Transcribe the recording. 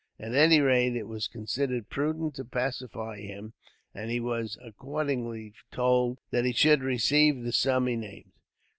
At any rate, it was considered prudent to pacify him, and he was accordingly told that he should receive the sum he named.